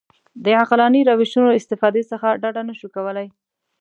د عقلاني روشونو استفادې څخه ډډه نه شو کولای.